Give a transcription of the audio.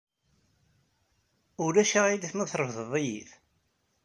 Ulac aɣilif ma trefdeḍ-iyi-t?